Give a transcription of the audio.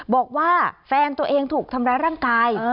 บอกว่าแฟนตัวเองถูกทำร้ายร่างกาย